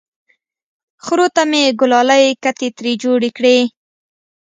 خرو ته مې ګلالۍ کتې ترې جوړې کړې!